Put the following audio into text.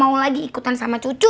aku gak mau lagi ikutan sama cucu